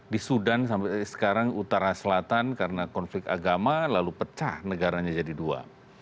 di sudan sampai sekarang utara selatan karena konflik agama lalu pecah negaranya jadi dua